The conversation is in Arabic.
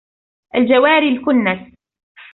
الْجَوَارِ الْكُنَّسِ